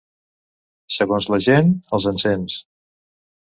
Segons la gent, els encens.